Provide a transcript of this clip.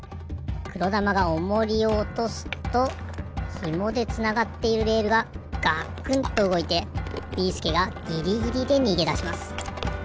くろだまがオモリをおとすとひもでつながっているレールがガクンとうごいてビーすけがギリギリでにげだします。